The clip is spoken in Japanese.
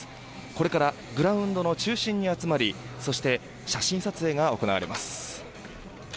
これからグラウンドの中心に集まりそして写真撮影が行われます。